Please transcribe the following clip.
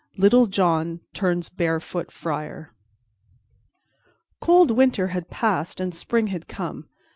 Little John Turns Barefoot Friar COLD WINTER had passed and spring had come.